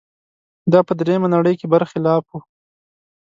دا په درېیمې نړۍ کې برخلاف و.